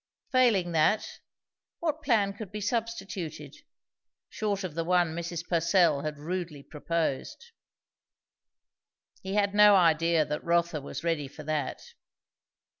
Failing that, what plan could be substituted, short of the one Mrs. Purcell had rudely proposed? He had no idea that Rotha was ready for that.